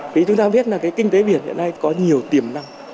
vì chúng ta biết là cái kinh tế biển hiện nay có nhiều tiềm năng